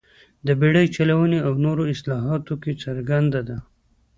د بېړۍ چلونې او نورو اصلاحاتو کې څرګنده ده.